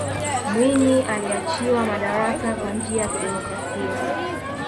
mwinyi aliachiwa madaraka kwa njia ya kidemokrasia